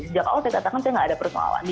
sejak awal saya katakan saya tidak ada persoalan